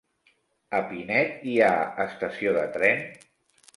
A Pinet hi ha estació de tren?